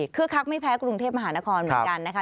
คือคักไม่แพ้กรุงเทพมหานครเหมือนกันนะคะ